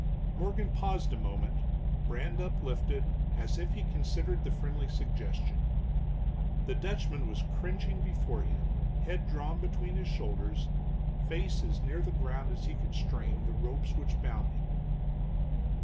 Morgan paused a moment, brand uplifted, as if he considered the friendly suggestion. The Dutchman was cringing before him, head drawn between his shoulders, face as near the ground as he could strain the ropes which bound him.